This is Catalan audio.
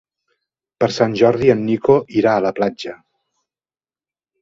Per Sant Jordi en Nico irà a la platja.